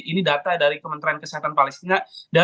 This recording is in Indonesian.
ini data dari kementerian kesehatan palestina